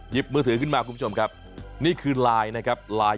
ยิบมือถือขึ้นมาคุณผู้ชมกันนะนะครับนี่คือลายนะครับลาย